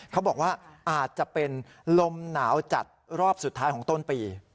เขาบอกว่าอาจจะเป็นลมหนาวจัดรอบสุดท้ายของต้นปี